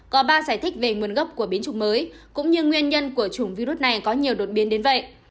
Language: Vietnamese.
có ba giải thích về nguồn gốc của biến chủng mới cũng như nguyên nhân của chủng virus này có nhiều đột biến đến vậy